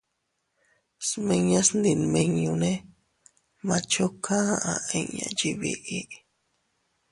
Smiñas ndimiñunne «Machuca» aʼa inña yiʼi biʼi.